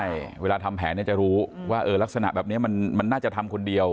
ใช่เวลาทำแผนจะรู้ว่าลักษณะแบบนี้มันน่าจะทำคนเดียว